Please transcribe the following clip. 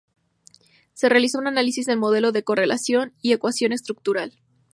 Se realizó un análisis del modelo de correlación y ecuación estructural.